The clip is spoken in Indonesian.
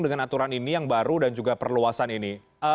dengan aturan ini yang baru dan juga perluasan ini